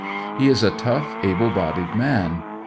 He is a tough, able bodied man.